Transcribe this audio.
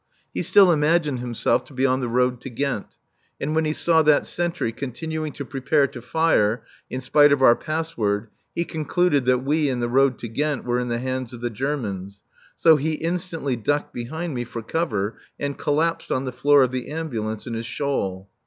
He still imagined himself to be on the road to Ghent, and when he saw that sentry continuing to prepare to fire in spite of our password, he concluded that we and the road to Ghent were in the hands of the Germans. So he instantly ducked behind me for cover and collapsed on the floor of the ambulance in his shawl.